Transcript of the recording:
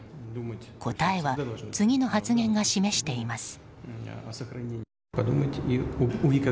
答えは、次の発言が示しています。